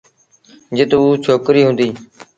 جت اُ ڇوڪريٚ هُݩديٚ۔